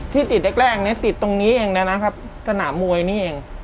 ที่ติดแรกมันแรกติดตรงนี้เองนะจะนำเมื่อนี้เอง